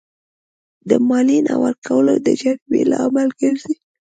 د مالیې نه ورکول د جریمو لامل ګرځي.